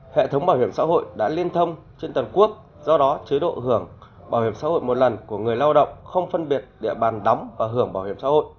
hệ thống bảo hiểm xã hội đã liên thông trên toàn quốc do đó chế độ hưởng bảo hiểm xã hội một lần của người lao động không phân biệt địa bàn đóng và hưởng bảo hiểm xã hội